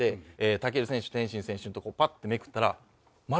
武尊選手天心選手のとこパッてめくったら。